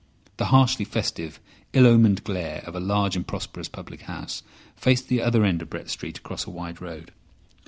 The harshly festive, ill omened glare of a large and prosperous public house faced the other end of Brett Street across a wide road.